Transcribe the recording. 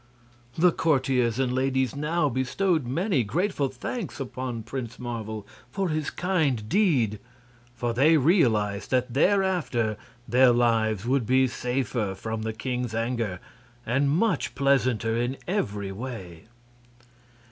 The courtiers and ladies now bestowed many grateful thanks upon Prince Marvel for his kind deed; for they realized that thereafter their lives would be safer from the king's anger and much pleasanter in every way.